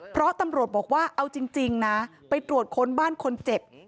เพราะตำรวจบอกว่าเอาจริงนะไปตรวจค้นบ้านคนเจ็บ